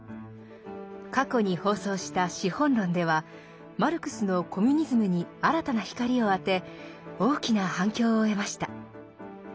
過去に放送した「資本論」ではマルクスのコミュニズムに新たな光を当て大きな反響を得ました。